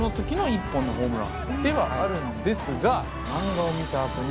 ではあるんですが。